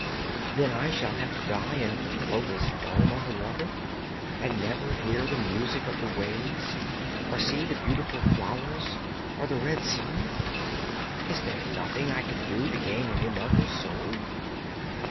'Then I shall have to die and to float as foam on the water, and never hear the music of the waves or see the beautiful flowers or the red sun! Is there nothing I can do to gain an immortal soul?'